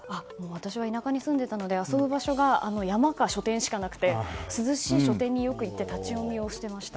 私は田舎に住んでいたので遊ぶ場所が山か書店しかなくて涼しい書店によく行って立ち読みをしていました。